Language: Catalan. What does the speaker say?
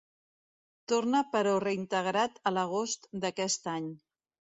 Torna però reintegrat a l'agost d'aquest any.